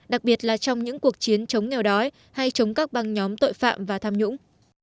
đặc biệt là trong những cuộc chiến chống nghèo đói hay chống các băng nhóm tội phạm và tham nhũng